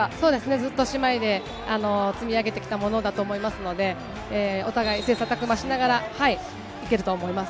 ずっと姉妹で積み上げてきたものだと思いますので、お互い切磋琢磨しながら行けると思います。